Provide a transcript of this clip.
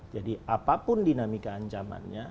jadi apapun dinamika ancamannya